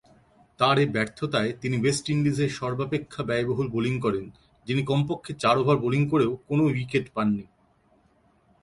তার এ ব্যর্থতায় তিনি ওয়েস্ট ইন্ডিজের সর্বাপেক্ষা ব্যয়বহুল বোলিং করেন, যিনি কমপক্ষে চার ওভার বোলিং করেও কোন উইকেট পাননি।